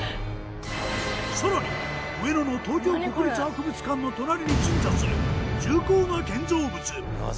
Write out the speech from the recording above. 更に上野の東京国立博物館の隣に鎮座する重厚な建造物。